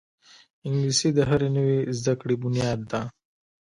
انګلیسي د هرې نوې زده کړې بنیاد ده